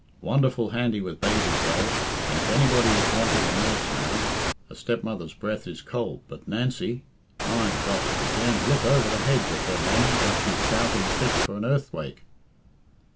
Wonderful handy with babies, though, and if anybody was wanting a nurse now a stepmother's breath is cold but Nancy! My gough, you daren't look over the hedge at her lammie but she's shouting fit for an earth wake.